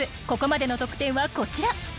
ここまでの得点はこちら。